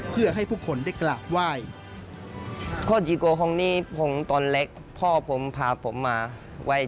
เพื่อให้ผู้คนได้กล้าไหว้